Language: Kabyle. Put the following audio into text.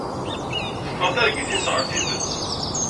Teffeɣ targit-nnes ɣer tidet.